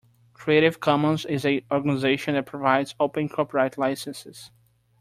Creative Commons is an organisation that provides open copyright licences